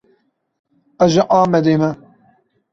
Ez ji Amedê me.